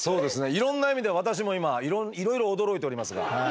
いろんな意味で私も今いろいろ驚いておりますが。